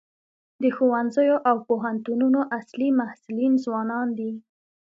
د ښوونځیو او پوهنتونونو اصلي محصلین ځوانان دي.